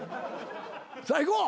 さあいこう。